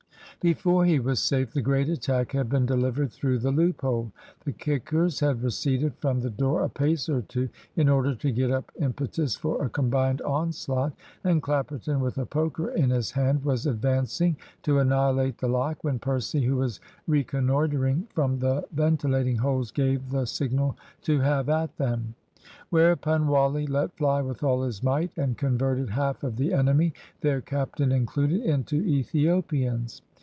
Before he was safe, the great attack had been delivered through the loophole. The kickers had receded from the door a pace or two in order to get up impetus for a combined onslaught, and Clapperton with a poker in his hand was advancing to annihilate the lock, when Percy, who was reconnoitring from the ventilating holes, gave the signal to have at them. Whereupon Wally let fly with all his might, and converted half of the enemy, their captain included, into Ethiopians.